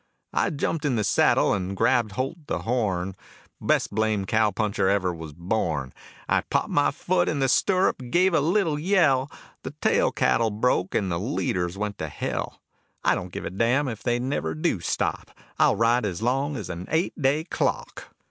I jumped in the saddle and grabbed holt the horn, Best blamed cow puncher ever was born. I popped my foot in the stirrup and gave a little yell, The tail cattle broke and the leaders went to hell. I don't give a damn if they never do stop; I'll ride as long as an eight day clock.